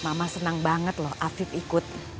mama senang banget loh afif ikut